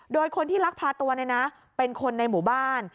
โดยคนที่ลักพาตัวเนี่ยนะเป็นคนในหมู่บ้าน